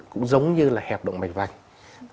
cũng giống như là hẹp động mạch vạch